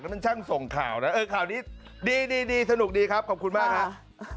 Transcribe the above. มันช่างส่งข่าวนะเออข่าวนี้ดีสนุกดีครับขอบคุณมากครับ